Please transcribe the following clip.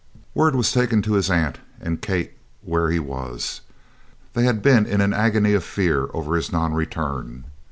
Word was taken to his aunt and Kate where he was. They had been in an agony of fear over his non return.